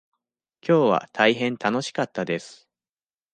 きょうは大変楽しかったです。